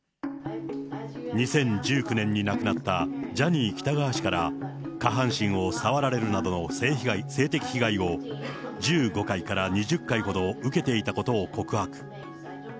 ２０１９年に亡くなったジャニー喜多川氏から下半身を触られるなどの性的被害を、１５回から２０回ほど受けていたことを告白。